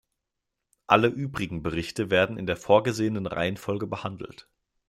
Alle übrigen Berichte werden in der vorgesehenen Reihenfolge behandelt.